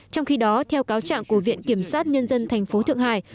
trong khi đó theo cáo trạng của viện kiểm sát nhân dân thành phố thượng hải